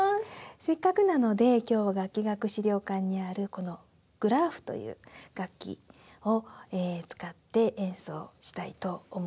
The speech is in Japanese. せっかくなので今日は楽器学資料館にあるこのグラーフという楽器を使って演奏したいと思います。